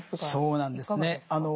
そうなんですね。